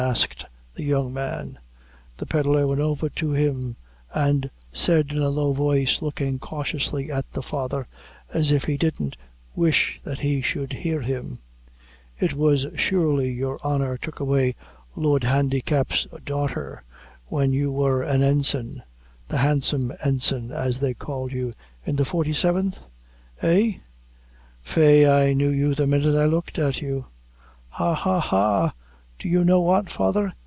asked the young man. The pedlar went over to him, and said, in a low voice, looking cautiously at the father, as if he didn't wish that he should hear him "It was surely your honor took away Lord Handicap's daughter when you wor an ensign the handsome ensign, as they called you in the forty seventh? Eh? faix I knew you the minute I looked at you." "Ha, ha, ha! Do you know what, father?